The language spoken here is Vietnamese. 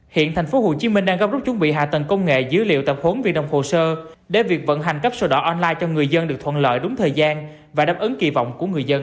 hiện thành phố hồ chí minh đang góp rút chuẩn bị hạ tầng công nghệ dữ liệu tập hốn viên đồng hồ sơ để việc vận hành cấp sổ đỏ online cho người dân được thuận lợi đúng thời gian và đáp ứng kỳ vọng của người dân